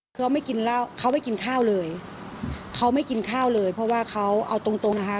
เขาไม่กินข้าวเลยเขาไม่กินข้าวเลยเพราะว่าเขาเอาตรงนะฮะ